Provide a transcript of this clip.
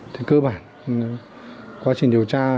thì cơ bản quá trình điều tra